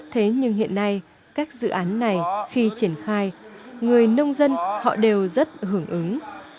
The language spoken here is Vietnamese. thế nhưng hiện nay các dự án này khi triển khai người nông dân họ đều rất hưởng ứng